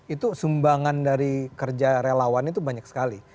itu sumbangan dari kerja relawan itu banyak sekali